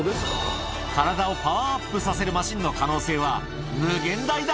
体をパワーアップさせるマシンの可能性は無限大だ。